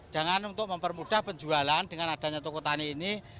jangan untuk mempermudah penjualan dengan adanya toko tani ini